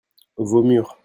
vos murs.